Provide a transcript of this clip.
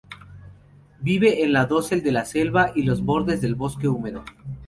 Vive en la dosel de la selva y los bordes del bosque húmedo.